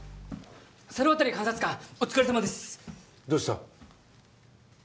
猿渡監察官お疲れさまですどうした？